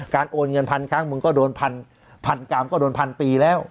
โอนเงินพันครั้งมึงก็โดนพันกรัมก็โดนพันปีแล้ว